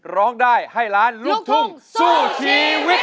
ร้องได้ให้ล้านลูกทุ่งสู้ชีวิต